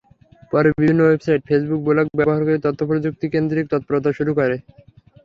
পরে বিভিন্ন website, Facebook, blog ব্যবহার করে তথ্যপ্রযুক্তিকেন্দ্রিক তৎপরতা শুরু করে।